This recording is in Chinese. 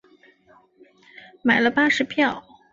买了巴士票